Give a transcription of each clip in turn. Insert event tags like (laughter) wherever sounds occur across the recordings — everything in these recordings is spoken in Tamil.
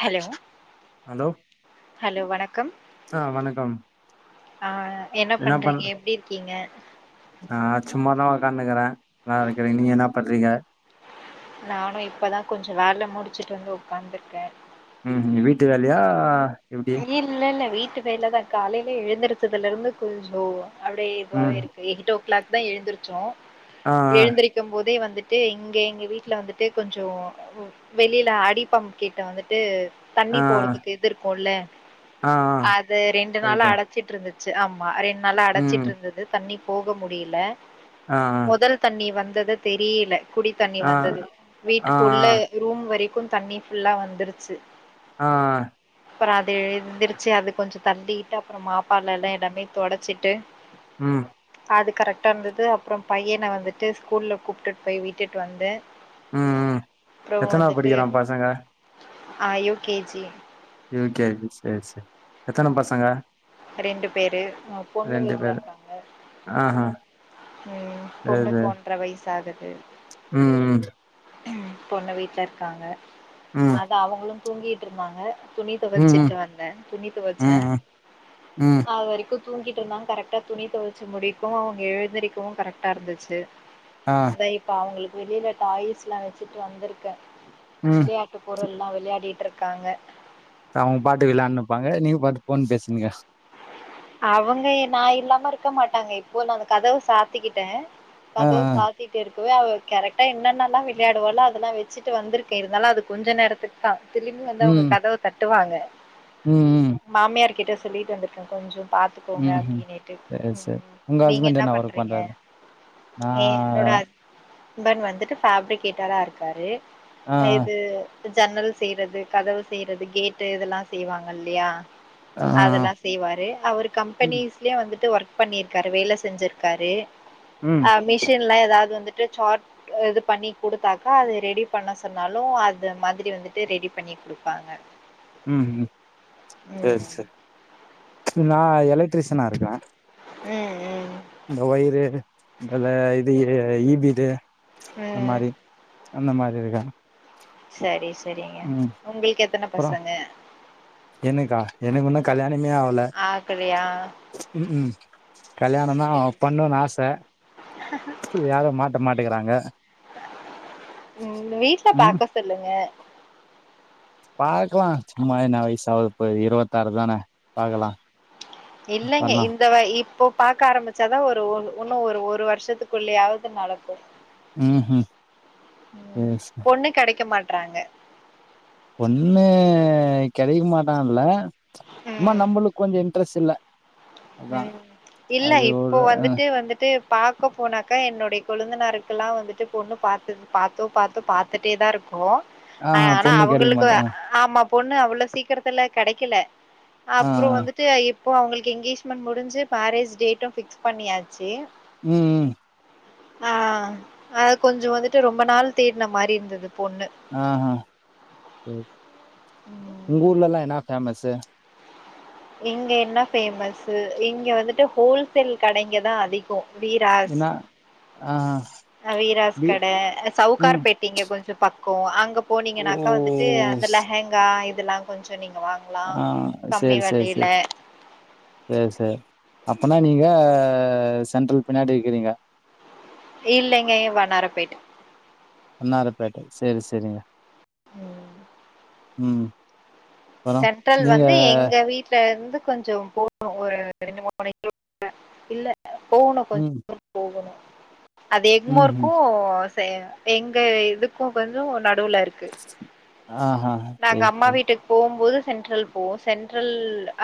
ஹலோ அலோ ஹலோ வணக்கம் ஆ என்ன பண்றீங்க எப்டி இருக்கீங்க ஆஹ் சும்மாதான் உக்காந்துக்றே நல்லா இருகிறே நீங்க என்ன பண்றீங்க நானும் இப்பதான் கொஞ்சோ வேலை முடிச்சுட்டு வந்து உக்காந்து இருக்கேன் ம் வீட்டு வேலையா எப்டி இல்ல இல்ல வீட்டு வேலதான் காலைலே எழுந்திருச்சதுல இருந்து கொஞ்சோ அப்டி ம் இப்போவேயிருக்கு எயிட் ஓ கிளாக் தான் எழுந்திருச்சோம் ஆ எழுந்திருக்கு போதை வந்துட் (unintelligible) இங்க எங்க வீட்டுல வந்துட்டு கொஞ்சோ வெளியில அடிப்பம் கிட்ட வந்துட்டு தண்ணி ஆ போறதுக்கு ஆ இது இருக்குல ஆ ஆ அது ரெண்டு நாளா வைப்ப அடைச்சிட்டு இருந்து இருந்துச்சு ஆமா ரெண்டு நாள ம் அடச்சிட்டு இருந்தது தண்ணி போக முடியல ஆ முதல் தண்ணி வந்தது தெரியல குடி தண்ணி ஆ வந்தது ஆ ஆ வீட்டுக்குள்ள ரூம் வரைக்கு தண்ணி ஃபுல்லா வந்துருச்சு ஆஹ்ன் அப்புற அது எந்திரிச்சு அது கொஞ்சோ தள்ளிட்டு அப்புறம் மாப்பால் எல்லாமே தொடுச்சிட்டு ம் அது கரெக்டா இருந்தது அப்புறம் பையனை வந்துட்டு ஸ்கூல்ல கூப்ட்டுட்டு போய் விட்டுட்டு வந்த உம் உம் எத்தனாவு படிக்கிறா பசங்க ஆ யூகேஜி ம் யூகேஜி செரி செரி எத்தன பசங்க ரெண்டு பேரு பொண்ணு ரெண்டு வீட்ல பேரு இருக்காங்க ஆஹா உம் சேரி பொண்ணுக்கு சேரி ஒன்றை வயசு ஆகுது ம் ம் பொண்ணு வீட்ல இருக்காங்க ம் அதான் அவங்களு தூங்கிட்டு இருந்தாங்க துணி ம் ம் தோவச்சுட்டு வந்தேன் துணி ம் துவச்சேன் ம் ம் அவ்வரைக்கு தூங்கிட்டு இருந்தான் கரெக்டா துணி துவச்சி முடிக்கவு அவங்க எழுந்திரிக்கவு கரெக்டா இருந்துச்சு ஆ அதான் இப்ப அவங்களுக்கு வெளியில டாய்ஸ்லாம் வச்சுட்டு வந்திருக்கே ம் விளையாட்டு பொருள்லாம் விளையாடிட்டு இருக்காங்க அவுங் பாத்து விளான்டுனிப்பாங்க நீங்க பாத்து ஃபோன் பேசுங்க அவங்க நான் இல்லாம இருக்க மாட்டாங்க இப்ப நான் அந்த கதவ சாத்திக்கிட்டேன் ஆ, கதவு ஆ. சாத்திட் இரு இப்பவே அவ கரெக்டா என்னன்னல்லாம் விளையாடுவாலோ அதெல்லா வச்சுட்டு வந்திருக்கேன் இருந்தாலு அது கொஞ்ச நேரத்துக் தான் திரும்பி வந்து அவுங்க ம். கதவ தட்டுவாங்க ம், ம். மாமியார் கிட்ட சொல்லிட்டு வந்திருக்கேன் கொஞ்சோ பாத்துக்கோங்க ம்ஹ்ம். அப்டினேட்டு சரி, சரி. உம் நீங்க என்ன பண்றீங்க நா என்னோட ஹஸ்பண்ட் வந்துட்டு ஃபேப்ரிக்கேட்டரா இருக்காரு ஆ, இது ஜன்னல் செய்றது கதவு செய்றது கேட்டு இதெல்லாம் செய்வாங் இல்லையா ஆ. அதெல்லா செய்வாரு அவரு ம், கம்பெனிஸ்லியே வந்த் வந்துட்டு ஒர்க் பண்ணியிருக்காரு வேலை செஞ்சிருக்காரு ம், அ மிஷின் ஃபுல்லா ஏதாவது வந்துட்டு சாட் இது பண்ணி குடுத்தாக்கா அது ரெடி பண்ண சொன்னாலும் அது மாதிரி வந் துட்டு ரெடி பண்ணி குடுப்பாங்க ம்ம் செரி ம் செரி நான் எலக்ட்ரிசினா இருக்கேன் ம் ம் இதுல இது இபி இது ம் அந்த மாறி இருக்காங்க சரி சரிங்க உங்களுக்கு எத்தன அப்புறம் பசங்க எனக்கா எனக்கு உன்னு ம் கல்யாணமே ஆவல ஆகலையா ம் ம் கல்யாணோ தா சரி பண்ணுன் ஆச யாரு மாட்ட மாட்டேகுறாங்க ம் உங்க வீட்ல பாக்க சொல்லுங்க பாக்கலா சும்மா என்ன வயுசு ஆவது இப்ப இருவத்தாறு தானே பாக்கலா இல்லங்க இந்த வ இப்போ பாக்க ஆரம்பிச்சாதா ஒரு ஒ ஒன்னு ஒரு ஒரு வருஷத்துக்குள்ளேயாவது நடக் இப்போ ம்ஹ்ம். சரி, சரி. பொண்ணு கெடைக்க மாட்றாங்க பொண்ணு கெடைக்க மாட்டா இல்ல இன்னா ம் நம்பளுக்கு கொஞ்ச இன்டெரெஸ்ட் இல்ல அதா ம் இல்ல அது இப்போ ஒரு வந்துட்டு வந்துட்டு பாக்க போனாக்கா என்னுடைய கொழுந்தனாருக்கெல்லா வந்துட்டு பொண்ணு பாத்து பாத்தோ பாத்தோ பாத்துட்டே தா இருக்கோ ஆ ஆஹா ஆனா பொண்ணு கெடைக்க அவங்களுக்கு மாட்டா ஆமா பொண்ணு அவ்வளோ சீக்கிரத்துல கெடைக்கல ஆ அப்புற வந்துட்டு இப்ப அவங்களுக்கு எங்கேஜ் மண்ட் முடிஞ்சு மேரேஜ் டேட்டு ஃபிக்ஸ் பண்ணியாச்சு ம் ம் ஆ அது கொஞ்ச வந்துட்டு ரொம்ப நாள் தேட்ன மாறி இருந்தது பொண்ணு ஆ ஆ செரி உங்க ம் ஊர்லல்லா என்னா ஃபேமஸூ இங்க என்ன ஃபேமஸு இங்க வந்துட்டு ஹோல்சேல் கடைங்கதா அதிகோ வீராஸ் என்னா ஆஹா அ வீராஸ் பி கட ம் சவுகார்பேட்ட ஆங்க கொஞ்ச பக்கோ அங்க ஓ போனீங்கனாக்கா வந்துட்டு அந்த லெஹேங்கா இதெல்லா கொஞ்ச நீங்க வாங்லா ஆ கம்மி சேர் சேர் வெலையில சேரீ சரி சரி அப்பனா நீங்க சென்ட்ரல் பின்னாடி இருக்குறீங்க இல்லைங்க வண்ணாரப்பேட் வன்னாரப்பேட்டை செரி செரிங்க ம் ம் அப்பறோ சென்ட்ரல் நீங்க வந்து எங்க வீட்ல இருந் து கொஞ்ச போனு ஒரு ரெண்டு மூனு (inaudible) இல்ல போகணு கொஞ்ச ம் தூர போகணு அது ம் ம் எக்மோருக்கு சே எங்க இதுக்கு கொஞ்ச நடுவுல இரு க்கு ஆஹா நாங்க சேரி அம்மா சேரி வீட்டுக்கு போகும்போது சென்ட்ரல் போவு சென்ட்ரல்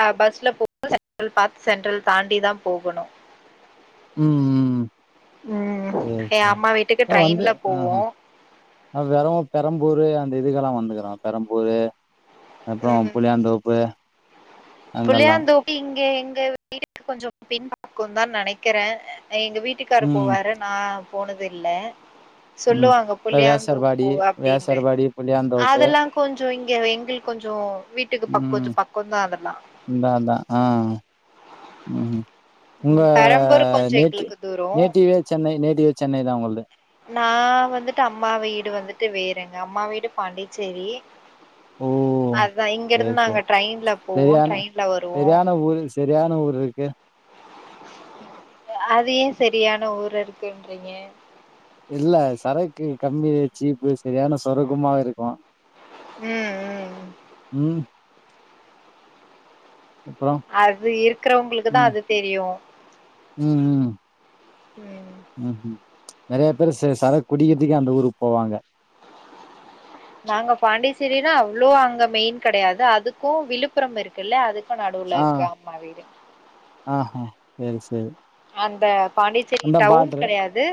அ பஸ்ல போ (inaudible) சென்ட்ரல் பாத்து சென்ட்ரல் தாண்டி தா போகணு (unintelligible) ம் ம் ம் சேரி எ சேரி அம்மா வீட்டுக்கு நா வந்து ட்ரெயின்ல போவோ ஆஹ்ஹ அது வரவு பெரம்பூரு அ அந்த இதுக்கெல்லா வந்துக்குற பெரம்பூரு அப்புறோ ம் புளியாந்தோப்பு அங்கெல்லா புளியாந்தோப்பு இங்க எங்க வீட்டுக்கு கொஞ்சோ பின்பக்கோ தா நெனக்குறே எங்க வீட்டுக்காரர் ம் போவரு நா போனது இல்ல ம் சொல்லுவாங்க இந்த புளியந்தோப் வேசர்பாடி போவ அப்டின்டு வேசர்பாடி புளியாந்தோப்பு அதெல்லா கொஞ் சோ இங்க எங்களுக்கு கொஞ்சோ வீட்டுக்கு பக் கொஞ்சோ பக்கொதா அதெல்லா அத அதா ஆ ம். உங்க ம் பெரம்பூர் கொஞ்சோ நேட் எங்களுக்கு தூரோ நேட்டிவே சென்னை நேட்டிவே சென்னை தா உங்கள்து நா வந்துட்டு அம்மா வீடு வந்துட்டு வேறங்க அம்மா வீடு பாண்டிச்சேரி ஓ அதா இங்க சேரி இருந்து சேரி நாங்க ட்ரெயின்ல போவோ ட்ரெயின்ல வருவோ சரியான ஊர் இருக்கு அது ஏ செரியான ஊரா இருக்குன்றீங்க இல்ல சரக்கு கம்மி சீப்பு சரியான சரக்குமா இருக்கூ ம் ம் அப்புறோ அது இருக்கறவுங்குளுக்குதா அது தெரியு ம் ம் ம் ம்ஹும் நறைய பேரு செ சரக் குடிக்கெதுக்கே அந்த ஊருக்கு போவாங்க நாங்க பாண்டிச்சேரினா அவ்ளோ அங்க மெயின் கெடையாது அதுக்கூ விழுப்புரம் இருக்குல்ல அதுக் க நடூல ஆ இருக்கு அம்மா வீடு செரி சேரி அந்த பாண்டிச்சேரி அந்த டவுன் பாட்ரு கெடையாது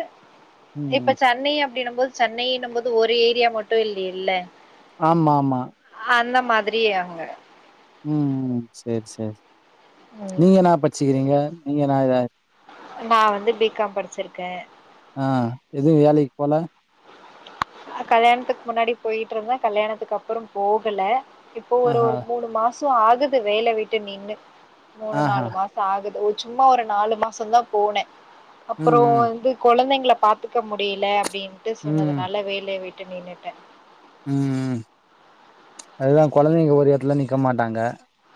ம் இப்ப சென்னை அப் டினும் போது சென்னைனும் போது ஒரு ஏரியா மட்டு இல்லில்ல ஆமாமா அந்த மாதிரி அங்க ம் ம் சேர் சேர் ம் நீங்க என்னா பச்சுக்கிறீங்க நீங்க என்னா இத நா வந்து பி காம் படிச்சிருக்கே ஆ எதுவு வேலைக் போலே கல்யாண்த்துக்கு முன்னாடி போயிட்ருந்தே கல்யாணத்துக்கு அப்றோ போகலே இப்போ ஒரு ஆஹா ஒரு மூணு மாசோ ஆகுது வேல விட்டு நின்னே மூணு ஆஹா நாலு மாசோ ஆகுது சும்மா ஒரு நாலு மாசந்தா போனே அப்புறோ ம் ம் வந்து கொழந்தைங்கள பாத்துக்க முடிலே அப்டின்ட்டு ம் சொன்னதுனால வேலையே விட்டு நின்னுட்டே ம் அதுதா கொழந்தைங்க ஒரு எட்த்துல நிக்க மாட்டாங்க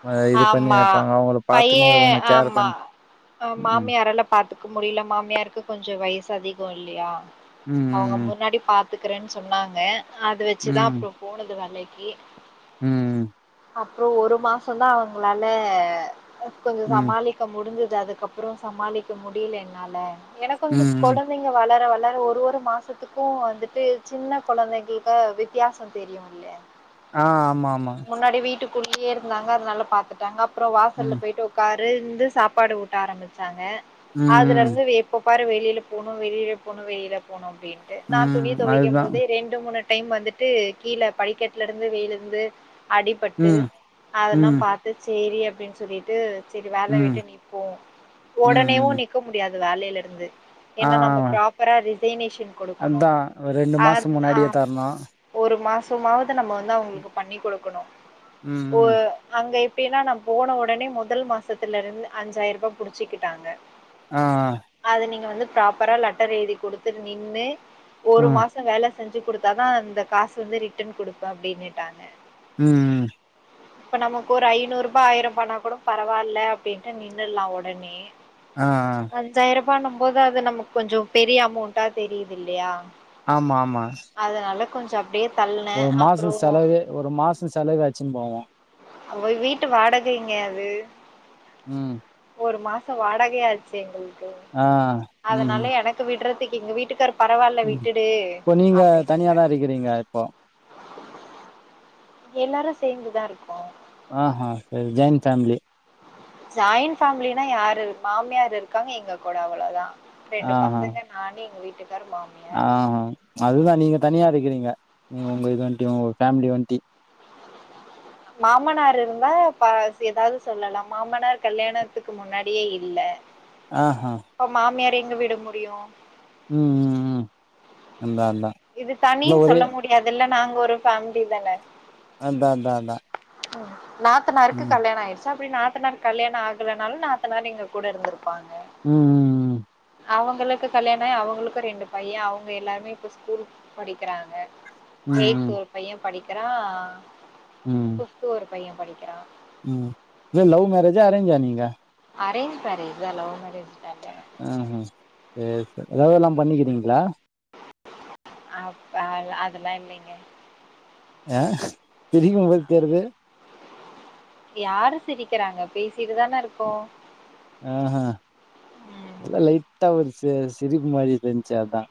அ இது பண்ணி ஆமா இருப்பாங்க அவங்கள பாத்துன்னே பையே இருக்கணு கேர் ஆமா பண் ம் மாமியாரால பாத்துக் கு முடில மாமியாருக்கு கொஞ்சோ வயசு அதிகோ இல்லியா ம் அவுங்க ம் முன்னாடி பாத் துக்றேன் சொன்னாங்க அது வச்சுதா ம் அப்ப போனது வேலைக்கி ம் அப்றோ ஒரு மாசந்தா அவங்ளால கொஞ்சோ ம் சமாளிக்க முடிஞ்சுத் து அதுக்கப்றோ சமாளிக்க முடில என்னால ஏனா கொஞ்சோக் ம் ம் கொழந்தைங்க வளர வ ளர ஒரு ஒரு மாசத்துக்கூ வந்துட்டு சின்ன கொழந்தைகளுக்கு வித்தியாசோ தெரியூ இல்லையா ஆ ஆமா ஆமா குள்ளியே இருந்தாங்க அதுனால பாத்துட்டாங்க அப்றோ வாசல்ல ம் போயிட்டு ஒக்கார் ருந்து சாப்பாடு ஊட்ட ஆரம்பிச்சாங்க ம் ம் அதுலருந்து வே எப்பப் பாரு வெளியில போணூ வெளியில போணூ வெளியில போணூ அப்டின்ட்டு நா துணி ம் தொவைக்கும் அதுதா போது ரெண்டு மூணு டைம் வந்துட்டு கீழே படிக்கட்லருந்து விழுந்து அடிபட்டு ம் ம் அதெல்லாம் பாத்து சேரி அப்டின் சொல்லிட்டு செரி வேல ம் விட்டு நிப்போ ம் உடனேயு ம் நிக்க முடியாது வேலைலருந்து ஆ ஏனா நம்ம ப்ராப்பரா ரிசைனேஷன் குடுக்குணு அதா ஒரு ரெண்டு மாசோ அம் ஆ முன்னாடியே தரணு ஒரு மாசமாவது நம்ம வந்து அவங்குளுக்கு பண்ணி குடுக்கணு ம் ஓ ம் அங்க எப் டினா நா போன ஒடனே முதல் மாசத்துலருந்து அஞ்சாயிரபா புடிச்சிக்கிட்டாங்க ஆ ப்ராப்பரா லட்டர் எழுதி கெடுத்துட்டு நின்னு ஆ ஒரு மாசோ வேல செஞ்சு குடுத்தாதா அந்த காசு வந்து ரிட்டன் குடுப்பே அப்டினுட்டாங்க ம் ம் இப்ப நமக்கு ஒரு ஐநூறுபா ஆயிரோபானா கூட பரவால்ல அப்டின்ட்டு நின்னுல்லா ஒடனே ஆ பானும் போது அது நமக் கொஞ்சோ பெரிய அமௌண்டா தெரியுதில்லியா ஆமா ஆமா அப்டியே தள்னே ஒரு மாச அப்றோ செலவே ஒரு மாச செலவே அச்சின் போவூ ஒரு வீட்டு வாடகைங்க அது ம் ஒரு மாச வாடகையாச்சு எங்களுக்கு ஆ ம் அதனால எனக்கு விடுறதுக்கு எங்க வீட்டுக்கார பரவால்ல ம் விட்டுடு இப்போ நீங்க அப்படின்னாங்க தனியாதா இருக்கிறீங்க இப்போ எல்லாரு சேந்துதா இருக்கோ ஆ ஹா செரி ஜாய்ன் ஃபேமிலி ஜாயின் ஃபேமிலினா யாரு மாமியார் இருக்காங்க எங்க கூட அவ்வளோதா ரெண்டு பசங்க நானு எங்க வீட் ஆ அதுதா நீங்க தனியா இருக்கிறிங்க நீ உங்க இதுன்ட்டு உ ஃபேமிலி ஒந்த்தி மாமனார் இருந்தா பா எதாவது சொல்லலா மாமனார் கல்யாணத்துக்கு முன்னாடியே இல்ல ஆஹா அப்ப மாமியார எங்க விட முடியு ம் ம் ம் அதா அதா இது இல்ல தனின் ஒரே சொல்ல முடியாதுல்ல நாங்க ஒரு ஃபேமிலி தான அதா அதா அதா ம் நாத்தனாருக்கு ம் கல்யண ஆயிருச் சோ அப்டி நாத்தனாருக்கு கல்யாண ஆகலனாலு நாத்த நாார் எங்க கூட இருந்துருப்பாங்க ம் ம் ம் அவங்களுக்கு கல்யாண ஆகி அவுங்களுக்கு ரெண்டு பைய அவங்க எல்லாருமே இப்ப ஸ்கூல் படிக்கிறாங்க எய்த் ம் ஒரு பைய படிக்கிறா ம் பிப்த ஒரு பைய படிக்கிறா ம் இல்ல லவ் மேரேஜா அரேஞ்சா நீங்க அரேஜ் மேரஜ் தா லவ் மேரேஜ் லா இல்ல ஆ அ சேரி சேர் லவ்லா பண்ணிக்கிறிங்ளா அப் அத் அதெல்லா இல்லைங்க அ பெரிய மொக தேர்வு யாரு சிரிக்கிறாங்க பேசிட்டுதானே இருக்கோ ஆ அ ம் எல்ல லைட்டா ஒரு சி சிரிப்பு மாரி தெரிஞ்ச்சு அதா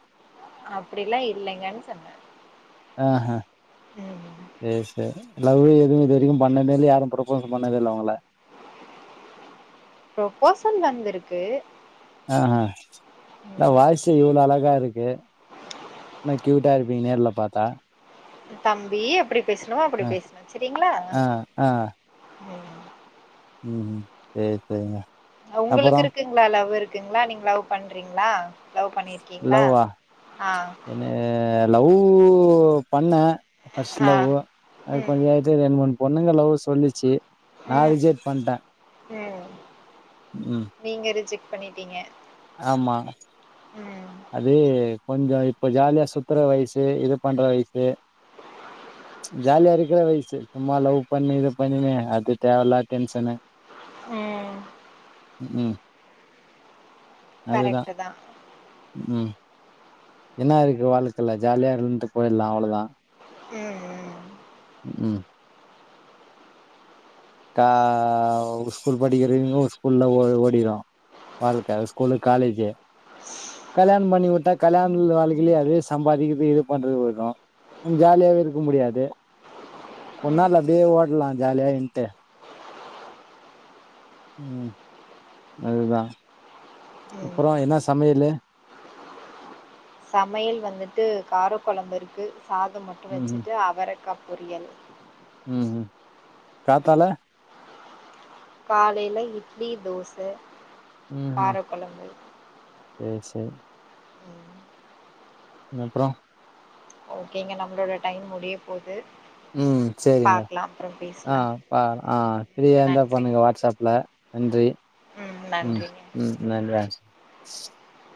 அப்டிலா இல்லைங்கன் சொன்னே ஆ அ ம் செரி சேர் லவ்ல எது நீங்கு பண்ணதே இல்ல யாரு ப்ரப்போஷு பண்ணதே இல்ல ஒங்கள ப்ரொபோஷல் வந்திருக்கு ஆ அ இல ம் வாய்ஸ்ஸே இவ்ளோ அழ கா இருக்கே இன்ன க்யூட்டா இருப்பீங்க நேர்ல பாத்தா தம்பி எப்டி பேசுணுமோ அப்டி ஆ பேசுங்க சரிங்களா ஆ ஓ ம் ம் சேர் சேர் இல ஒங்குளுக்கு இருக்குங்களா லவ்வு இருக்குங்களா நீங்க லவ் பண்றீங்களா லவ் பண்ணிருக்கீங்களா லவ்வா ஆ என்னய (unintelligible) வு பண்ண ஃபர்ஸ்ட் ஆ லவ்வு அது ம் கொஞ்ச இது ரெண்டு மூனு பொண்ணுங்க லவ்வ சொல்லிச்சு நா ம் ரிஜெக்ட் பண்ணிட்டே ம், நீங்க ரிஜெக்ட் பண்ணிட்டீங்க ஆமா ம் அது கொஞ்சோ இப்ப ஜாலியா சுத்துற வயசு இது பண்ற வயசு ஜாலியா இருக்கிற வயசு சும்மா லவ் பண்ணி இது பண்ணினு அது தேவையில்லாத டென்ஷனு ம் ம் அதுதா, கரெக்ட் தா ம் என்ன இருக்கு வாழ்க்கல்ல ஜாலியா இருந்துட்டு போயிடலா அவ்ளோதா ம், ம் ம் கா சரி ஸ்கூல் படிக்கிறீங்க ஸ்கூல் லவ் ஓடிடு வாழ்க்க அது ஸ்கூலு காலேஜு கல்யாண் பண்ணி உட்டா கல்யாண வாழ்க்கிலே அது சம்பாதிக்கறது இது பண்றது வரு ஜாலியாவே இருக்க முடியாது ஒரு நாள் அப்டே ஓட்லா ஜாலியா இன்ட்டு ம் அதுதா ம் அப்பறோ என்னா சமையலு சமையல் வந்துட்டு கார கொழம்புருக்கு சாத மட்டு ம் வச்சுட்டு அவரக்கா பொரியல் ம் ம் காத்தால காலைல இட்லி தோச கார கொழம்பு செரி செரி உம் அப்றோ ஓகேங்க நம்ளோட டைம் முடிய போது ம் சேரிங்க பாக்கலா அப்புறம் ஆ பேசலா பா ஆ ம் ஃப்ரீயா ம் இருந்தா நன்றி பண்ணுங்க வாட்ஸ் ஆப்ல நன்றி ம் ம் (unintelligible)